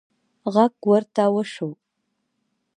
غږ ورته وشو: